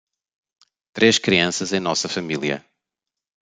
Três crianças em nossa família